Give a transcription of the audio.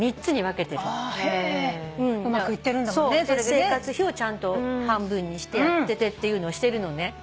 生活費をちゃんと半分にしてやっててっていうのしてるのね。